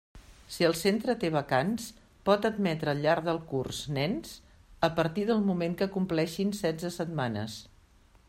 Si el centre té vacants, pot admetre al llarg del curs nens a partir del moment que compleixin setze setmanes.